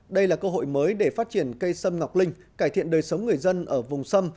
đây là cơ hội mới để phát triển cây sâm ngọc linh cải thiện đời sống người dân ở vùng sâm